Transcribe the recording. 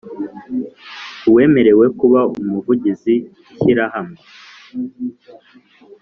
Uwemerewe kuba Umuvugizi ishyirahamwe